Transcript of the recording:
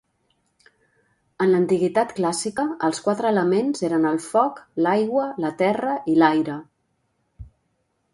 En l'antiguitat clàssica els quatre elements eren el foc, l'aigua, la terra i l'aire.